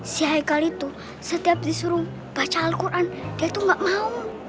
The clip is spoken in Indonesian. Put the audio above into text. si haikal itu setiap disuruh baca al quran dia itu gak mau